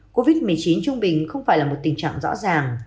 covid một mươi chín trung bình không phải là một tình trạng rõ ràng